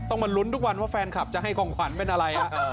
มาลุ้นทุกวันว่าแฟนคลับจะให้ของขวัญเป็นอะไร